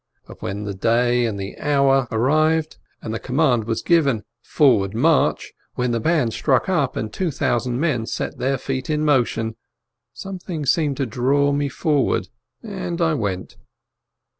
But when the day and the hour arrived, and the command was given "Forward, march !" when the band struck up, and two thousand men set their feet in mo tion, something seemed to draw me forward, and I went.